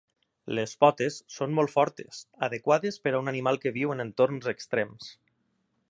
Les potes són molt fortes, adequades per a un animal que viu en entorns extrems.